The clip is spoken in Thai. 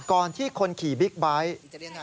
ก่อนที่คนขี่บิ๊กไบท์